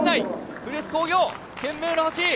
プレス工業、懸命な走り。